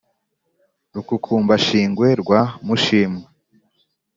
rukukumbashingwe rwa mushimwa